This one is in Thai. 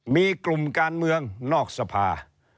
มีกลุ่มการเมืองนอกสภา